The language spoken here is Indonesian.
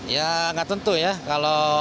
ya nggak tentu ya